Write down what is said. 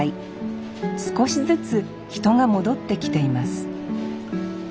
少しずつ人が戻ってきています。